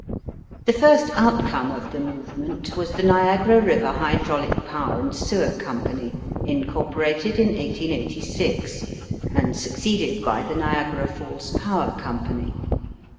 The first outcome of the movement was the Niagara River Hydraulic Power and Sewer Company, incorporated in 1886, and succeeded by the Niagara Falls Power Company.